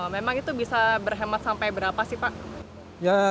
memang itu bisa berhemat sampai berapa sih pak